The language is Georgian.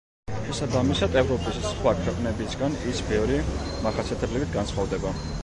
შესაბამისად, ევროპის სხვა ქვეყნებისგან ის ბევრი მახასიათებლით განსხვავდება.